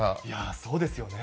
そうですよね。